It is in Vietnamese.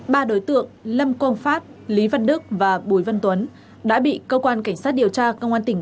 ba đối tượng lâm công phát lý văn đức và bùi văn tuấn đã bị cơ quan cảnh sát điều tra công an tỉnh